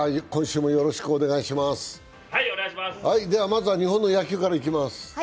まずは日本の野球からいきます。